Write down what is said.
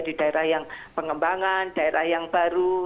di daerah yang pengembangan daerah yang baru